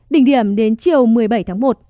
đỉnh điểm đến chiều một mươi bảy tháng một